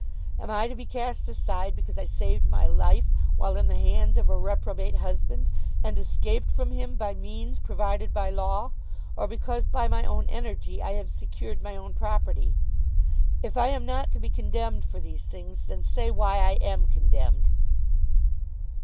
Am I to be cast aside because I saved my life while in the hands of a reprobate husband, and escaped from him by means provided by law; or because by my own energy I have secured my own property? If I am not to be condemned for these things, then say why am I condemned."